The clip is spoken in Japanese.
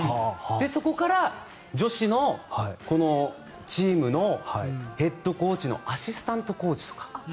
そこから女子のチームのヘッドコーチのアシスタントコーチとか。